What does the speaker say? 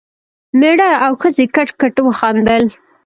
مېړه او ښځې کټ کټ وخندل.